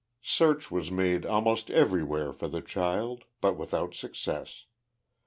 Search was made almost everywhere for the child, but without success.